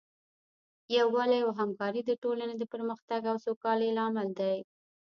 یووالی او همکاري د ټولنې د پرمختګ او سوکالۍ لامل دی.